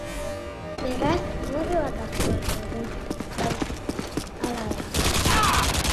Beraz, neurriren bat hartu beharko du, bai ala bai.